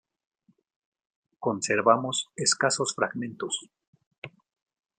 Conservamos escasos fragmentos.